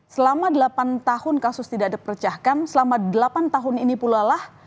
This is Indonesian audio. selama delapan tahun kasus tidak dipercahkan selama delapan tahun ini pula lah